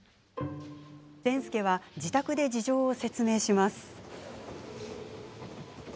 善輔は自宅で事情を説明します。